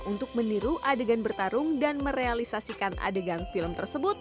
untuk meniru adegan bertarung dan merealisasikan adegan film tersebut